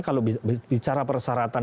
kalau bicara persyaratan